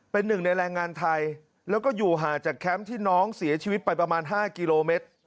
เป็นหนึ่งในแรงงานไทยแล้วก็อยู่ห่างจากแคมป์ที่น้องเสียชีวิตไปประมาณ๕กิโลเมตร